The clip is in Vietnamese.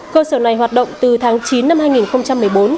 cơ sở này hoạt động từ tháng chín năm hai nghìn một mươi bốn